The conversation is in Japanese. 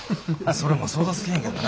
それも想像つけへんけどな。